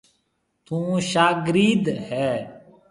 ٿُون شاگرِيد هيَ۔